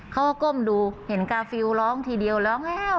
เขาก้มดูเห็นกาฟิวร้องทีเดียวแล้ว